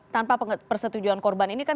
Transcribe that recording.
tanpa persetujuan korban ini kan